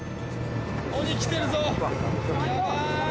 鬼来てるぞ。